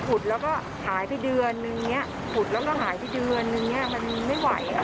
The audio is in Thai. คุดแล้วก็หายไปเดือนอย่างนี้คุดแล้วก็หายไปเดือนอย่างนี้